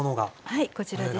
はいこちらですね。